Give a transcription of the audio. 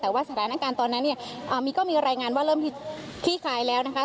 แต่ว่าสถานการณ์ตอนนั้นเนี่ยก็มีรายงานว่าเริ่มที่ขี้คลายแล้วนะคะ